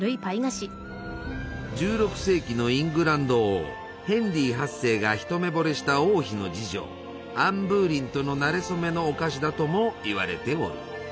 １６世紀のイングランド王ヘンリー８世が一目ぼれした王妃の侍女アン・ブーリンとのなれ初めのお菓子だともいわれておる。